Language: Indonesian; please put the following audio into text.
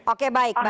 oke baik baik